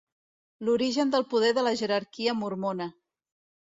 L'origen del poder de la jerarquia mormona.